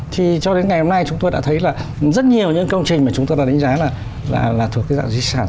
thì cho đến ngày hôm nay chúng tôi đã thấy là rất nhiều những công trình mà chúng tôi đã đánh giá là thuộc cái dạng di sản